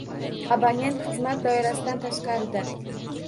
Abonent xizmat doirasidan tashqarida.